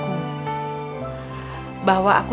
tuhan membukakan mataku